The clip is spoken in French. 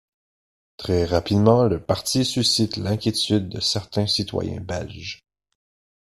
Très rapidement, le parti suscite l'inquiétude de certains citoyens belges.